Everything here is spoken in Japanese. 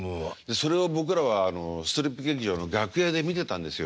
それを僕らはストリップ劇場の楽屋で見てたんですよ。